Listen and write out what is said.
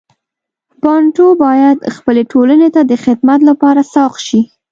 بانټو باید خپلې ټولنې ته د خدمت لپاره سوق شي.